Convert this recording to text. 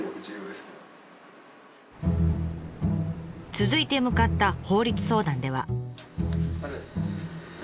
続いて向かった法律相談では。